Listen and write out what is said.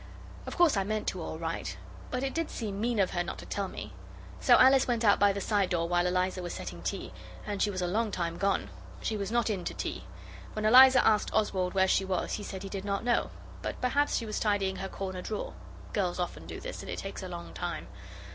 Of course I meant to all right. But it did seem mean of her not to tell me. So Alice went out by the side door while Eliza was setting tea, and she was a long time gone; she was not in to tea. When Eliza asked Oswald where she was he said he did not know, but perhaps she was tidying her corner drawer. Girls often do this, and it takes a long time.